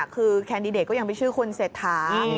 คือแคนดิเดตก็ยังมีชื่อคุณเศรษฐา